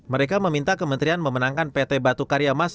mereka meminta kementerian memenangkan pt batu karyamas